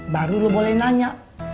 baru lo boleh nanya